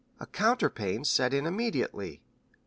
A counter pain set in immediately.